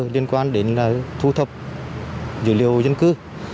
liên quan đến thu thập dữ liệu dân cư